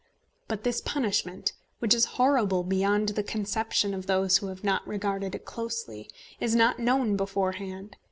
But this punishment, which is horrible beyond the conception of those who have not regarded it closely, is not known beforehand.